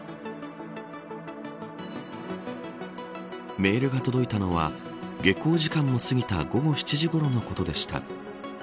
メールが届いたのは下校時間も過ぎた午後７時ごろのことでした。